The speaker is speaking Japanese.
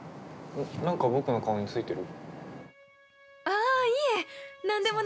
何か僕の顔についてる？